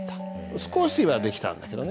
少しはできたんだけどね。